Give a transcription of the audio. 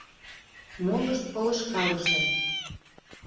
Молышт — полышкалыше.